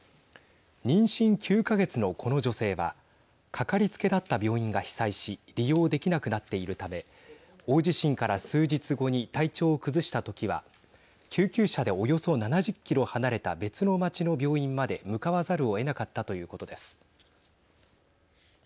妊娠９か月のこの女性は掛かりつけだった病院が被災し利用できなくなっているため大地震から数日後に体調を崩した時は救急車でおよそ７０キロ離れた別の街の病院まで向かわざるをえなかったということです。